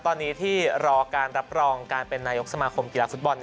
ตอนนี้ที่รอการรับรองการเป็นนายกสมาคมกีฬาฟุตบอล